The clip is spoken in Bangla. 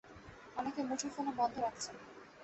অনেকে মুঠোফোনও বন্ধ রাখছেন।